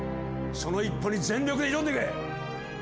その一歩に全力で挑んでけ！